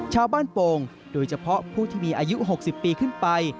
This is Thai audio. โป่งโดยเฉพาะผู้ที่มีอายุ๖๐ปีขึ้นไป